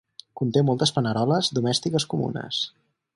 Conté moltes paneroles domèstiques comunes.